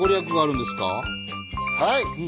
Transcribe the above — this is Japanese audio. はい！